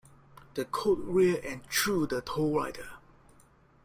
The colt reared and threw the tall rider.